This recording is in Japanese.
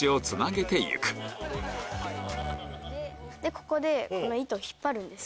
ここでこの糸を引っ張るんです。